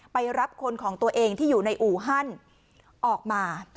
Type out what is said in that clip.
ไปรับคนของตัวเองที่อยู่ในอู่ฮั่นออกมา